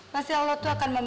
masya allah tuh akan memilikan